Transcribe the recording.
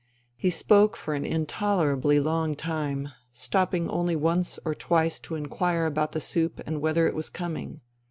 He spoke for an intolerably long time, stopping only once or twice to inquire about the soup and whether it was coming.